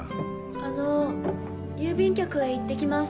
あの郵便局へ行って来ます。